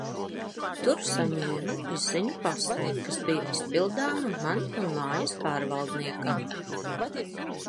Tur saņēmu izziņu pasei, kas bija izpildāma man un mājas pārvaldniekam.